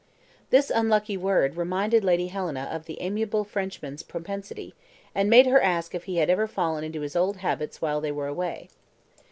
This unlucky word reminded Lady Helena of the amiable Frenchman's propensity, and made her ask if he had ever fallen into his old habits while they were away.